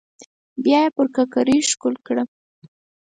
بيا يې پر ککرۍ ښکل کړه.